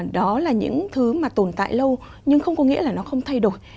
đó là những thứ mà tồn tại lâu nhưng không có nghĩa là nó không thay đổi